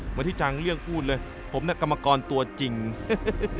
หมายถึงจางเรื่องพูดเลยผมแนะกรรมกรตัวจริงเฮ้อเห้อเห้อ